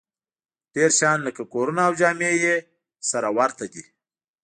ډېر شیان لکه کورونه او جامې یې سره ورته دي